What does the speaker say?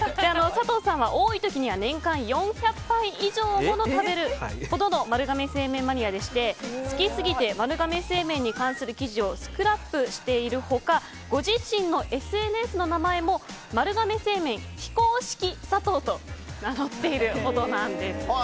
佐藤さんは多い時には年間４００杯以上も食べるほどの丸亀製麺マニアでして好きすぎて丸亀製麺に関する記事をスクラップしている他ご自身のＳＮＳの名前も丸亀製麺佐藤と名乗っているほどなんです。